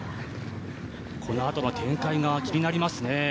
このあとの展開が気になりますね。